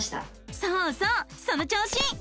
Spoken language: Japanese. そうそうその調子！